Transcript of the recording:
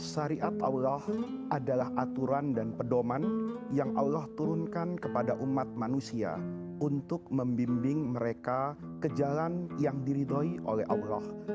syariat allah adalah aturan dan pedoman yang allah turunkan kepada umat manusia untuk membimbing mereka ke jalan yang diridhoi oleh allah